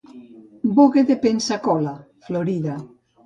Bogue de Pensacola, Florida.